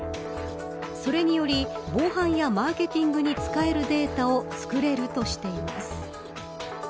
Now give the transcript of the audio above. それにより、防犯やマーケティングに使えるデータを作れるとしています。